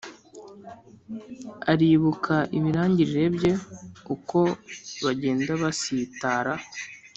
Aribuka ibirangirire bye uko bagenda basitara